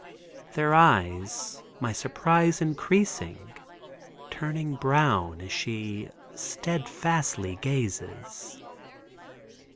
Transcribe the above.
Their eyes, my surprise increasing, turn brown as she steadfastly gazes.